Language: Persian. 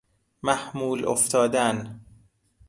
محمول افتادن